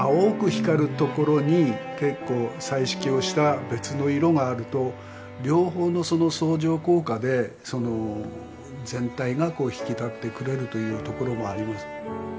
光るところに結構彩色をした別の色があると両方のその相乗効果で全体が引き立ってくれるというところもあります